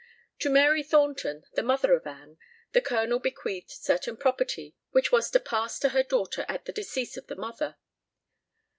To Mary Thornton, the mother of Anne, the colonel bequeathed certain property, which was to pass to her daughter at the decease of the mother.